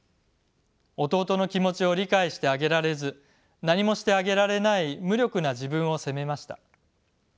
弟の気持ちを理解してあげられず何もしてあげられない無力な自分を責めました。